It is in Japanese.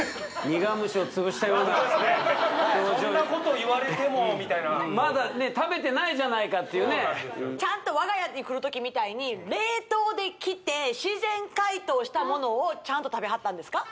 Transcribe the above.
苦虫をつぶしたようなそんなこと言われてもみたいなまだね食べてないじゃないかっていうねちゃんと我が家に来る時みたいに冷凍で来て自然解凍したものをちゃんと食べはったんですか？